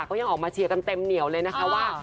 ก็ยังออกมาเชียร์กันเต็มเหนียวเลยนะคะว่า